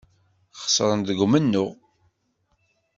Xesren deg umennuɣ.